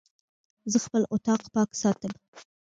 زه خپل اطاق پاک ساتم.